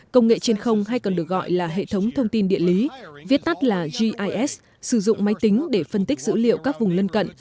công nghệ trên không hay còn được gọi là hệ thống thông tin địa lý viết tắt là gis sử dụng máy tính để phân tích dữ liệu các vùng lân cận